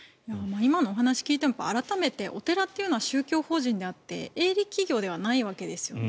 今のお話を聞いても改めてお寺というのは宗教法人であって営利企業ではないわけですよね。